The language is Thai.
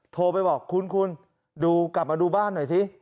โทรไปบอกคุณคุณดูกลับมาดูบ้านหน่อยสิ